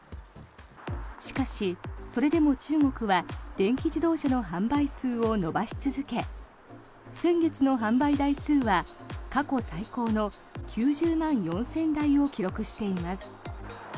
しかし、それでも中国は電気自動車の販売数を伸ばし続け先月の販売台数は過去最高の９０万４０００台を記録しています。